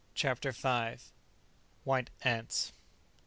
CHAPTER V. WHITE ANTS.